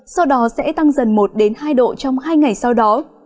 sau đó sẽ tăng dần một hai độ trong hai ngày sau đó